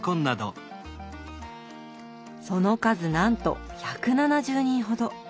その数なんと１７０人ほど。